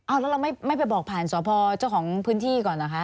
แล้วเราไม่ไปบอกผ่านสพเจ้าของพื้นที่ก่อนเหรอคะ